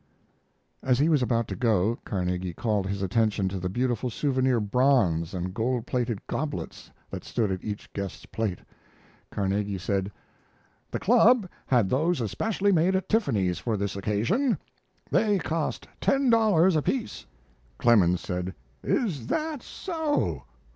As he was about to go, Carnegie called his attention to the beautiful souvenir bronze and gold plated goblets that stood at each guest's plate. Carnegie said: "The club had those especially made at Tiffany's for this occasion. They cost ten dollars apiece." Clemens sand: "Is that so?